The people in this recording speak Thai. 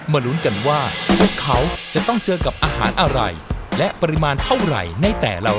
ลุ้นกันว่าพวกเขาจะต้องเจอกับอาหารอะไรและปริมาณเท่าไหร่ในแต่ละวัน